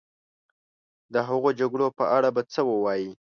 د هغو جګړو په اړه به څه ووایې.